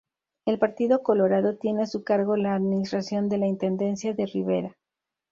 El Partido Colorado tiene a su cargo la administración de la Intendencia de Rivera.